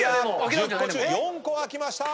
１０個中４個開きました！